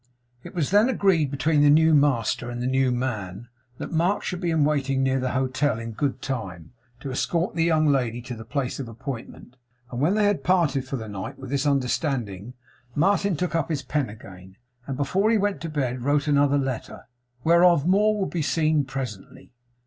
It was then agreed between the new master and the new man, that Mark should be in waiting near the hotel in good time, to escort the young lady to the place of appointment; and when they had parted for the night with this understanding, Martin took up his pen again; and before he went to bed wrote another letter, whereof more will be seen presently.